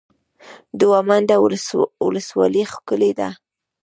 دوه منده ولسوالۍ ښکلې ده؟